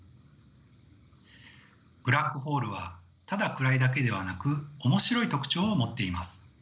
ブラックホールはただ暗いだけではなく面白い特徴を持っています。